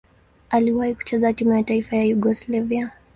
Aliwahi kucheza timu ya taifa ya Yugoslavia.